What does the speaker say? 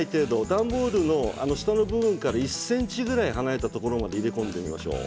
段ボールの下の部分から１ｃｍぐらい離れたところまで入れ込みましょう。